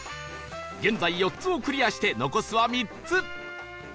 現在４つをクリアして残すは３つ